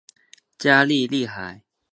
加利利海。